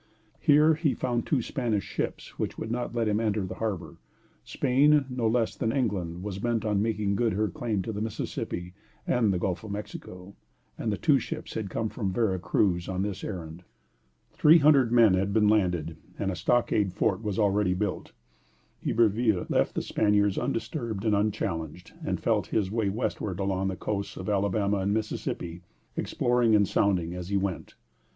Here he found two Spanish ships, which would not let him enter the harbor. Spain, no less than England, was bent on making good her claim to the Mississippi and the Gulf of Mexico, and the two ships had come from Vera Cruz on this errand. Three hundred men had been landed, and a stockade fort was already built. Iberville left the Spaniards undisturbed and unchallenged, and felt his way westward along the coasts of Alabama and Mississippi, exploring and sounding as he went.